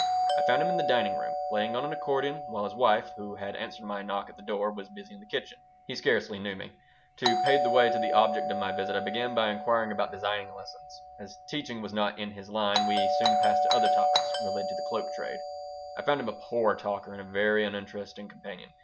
I found him in the dining room, playing on an accordion, while his wife, who had answered my knock at the door, was busy in the kitchen He scarcely knew me. To pave the way to the object of my visit I began by inquiring about designing lessons. As teaching was not in his line, we soon passed to other topics related to the cloak trade. I found him a poor talker and a very uninteresting companion.